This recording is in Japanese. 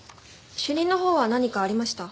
主任のほうは何かありました？